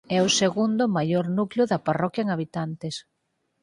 É o segundo maior núcleo da parroquia en habitantes.